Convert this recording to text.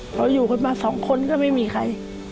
เราอยู่ข้างมา๒คนก็ไม่มีใคร